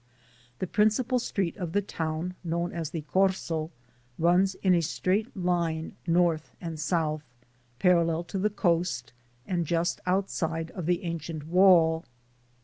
The prin cipal street of the town, known as the "Corso," runs in a straight line north and south, parallel to the coast and just outside of the ancient wall.